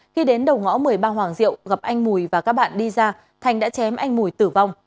khi đến đầu ngõ một mươi ba hoàng diệu gặp anh mùi và các bạn đi ra thành đã chém anh mùi tử vong